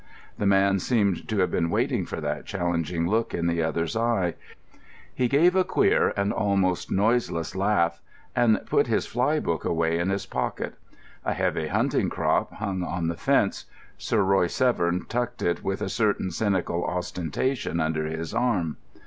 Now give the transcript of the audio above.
The man seemed to have been waiting for that challenging look in the other's eyes. He gave a queer and almost noiseless laugh, and put his fly book away in his pocket. A heavy hunting crop hung on the fence. Sir Royce Severn tucked it with a certain cynical ostentation under his arm.